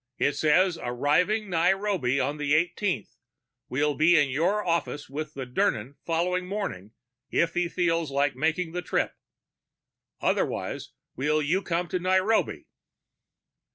It says, 'Arriving Nairobi on the 18th, will be in your office with Dirnan following morning if he feels like making the trip. Otherwise will you come to Nairobi?'"